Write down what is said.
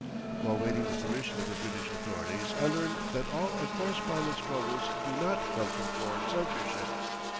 While waiting the permission of the British authorities I learned that all a correspondent's troubles do not come from foreign censorship.